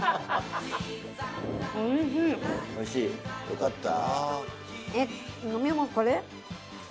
よかった。